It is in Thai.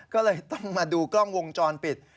ก็เลยต้องมาดูกล้องวงจรปิด